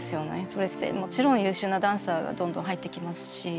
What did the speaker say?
そしてもちろん優秀なダンサーがどんどん入ってきますし。